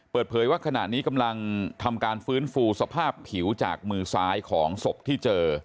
เปิดเผยว่าขณะนี้กำลังทำการฟื้นฟูสภาพผิวจากมือซ้ายของศพที่เจอ